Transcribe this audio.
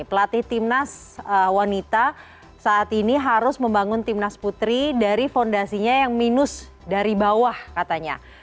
pelatih tim nas wanita saat ini harus membangun tim nas putri dari fondasinya yang minus dari bawah katanya